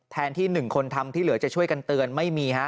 ที่๑คนทำที่เหลือจะช่วยกันเตือนไม่มีฮะ